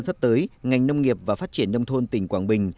đồng xuân sắp tới ngành nông nghiệp và phát triển nông thôn tỉnh quảng bình